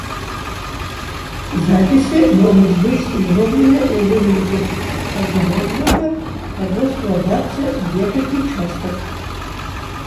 Запісы могуць быць зробленыя ў выглядзе аднаго блока або складацца з некалькіх частак.